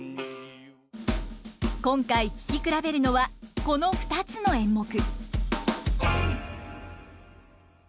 今回聞き比べるのはこの２つの演目。